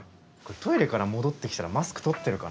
トイレから戻ってきたらマスク取ってるかな？